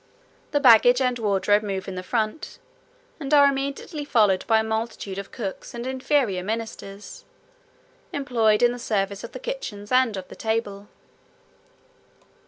The baggage and wardrobe move in the front; and are immediately followed by a multitude of cooks, and inferior ministers, employed in the service of the kitchens, and of the table.